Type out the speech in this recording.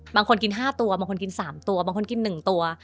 บางคนกิน๕ตัวบางคนกิน๓ตัวบางคนกิน๑ตัว